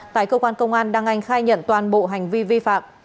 tại cơ quan công an đăng anh khai nhận toàn bộ hành vi vi phạm